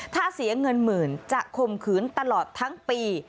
ถ้าเสียเงินหมื่นจะข่มขืนตลอดทั้งปี